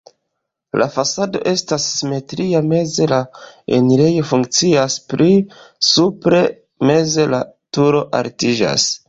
La fasado estas simetria, meze la enirejo funkcias, pli supre meze la turo altiĝas.